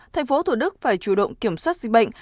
thành phố thủ đức phải chủ động kiểm soát dịch bệnh